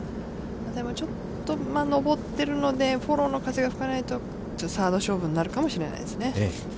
でもちょっと上っているので、フォローの風が吹かないと、サード勝負になるかもしれないですね。